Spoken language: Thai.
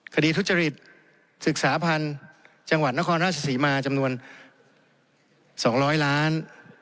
ทุจริตศึกษาพันธุ์จังหวัดนครราชศรีมาจำนวน๒๐๐ล้าน